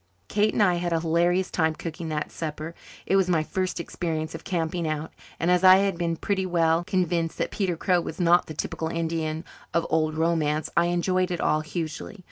Kate and I had a hilarious time cooking that supper. It was my first experience of camping out and, as I had become pretty well convinced that Peter Crow was not the typical Indian of old romance, I enjoyed it all hugely.